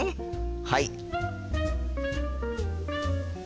はい！